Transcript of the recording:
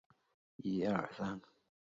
锥序丁公藤是旋花科丁公藤属的植物。